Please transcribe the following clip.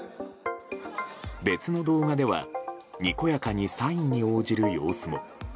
別の動画ではにこやかにサインに応じる様子も。